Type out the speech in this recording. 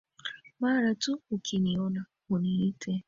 Mara tu ukiniona uniite.